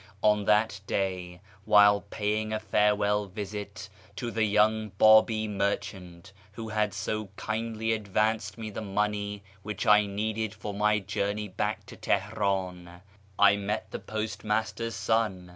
On that day, while paying a farewell visit to the young Babi merchant who had so kindly advanced me the money which I needed for my journey back to Teheran, I met the post master's son.